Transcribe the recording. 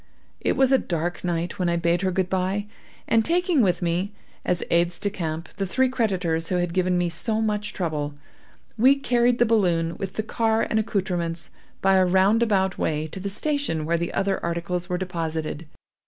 It was a dark night when I bade her good bye, and taking with me, as aides de camp, the three creditors who had given me so much trouble, we carried the balloon, with the car and accoutrements, by a roundabout way, to the station where the other articles were deposited.